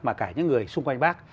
mà cả những người xung quanh bác